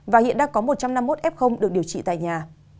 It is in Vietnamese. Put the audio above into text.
và hiện đang có một trăm năm mươi một f được điều trị tại nhà